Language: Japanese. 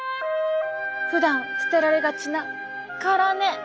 ふだん捨てられがちな辛根。